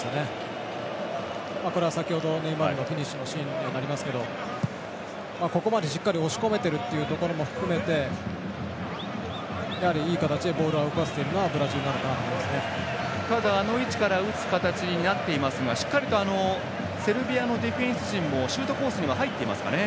ネイマールのフィニッシュのシーンになりますがここまで押し込めているというのを含めてやはり、いい形でボールを動かせているのはあの位置から打つ形になっていますがしっかりとセルビアのディフェンス陣もシュートコースには入っていますかね。